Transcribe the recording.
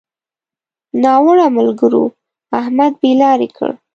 ناوړه ملګرو؛ احمد بې لارې کړ.